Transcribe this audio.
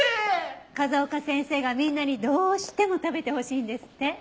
風丘先生がみんなにどうしても食べてほしいんですって。